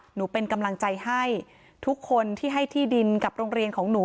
หนูเป็นกำลังใจให้ทุกคนที่ให้ที่ดินกับโรงเรียนของหนู